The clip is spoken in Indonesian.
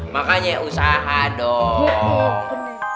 makanya usaha dong